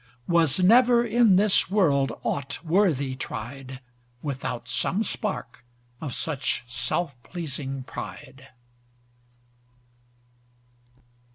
Was never in this world ought worthy tried, Without some spark of such self pleasing pride.